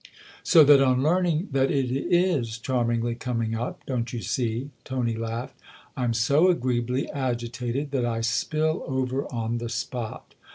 " So that on learning that it is charmingly coming up, don't you see ?" Tony laughed, " I'm so agree ably agitated that I spill over on the spot.